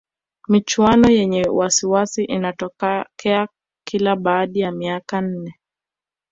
michuano yenye wasiwasi inatokea kila baada ya miaka minne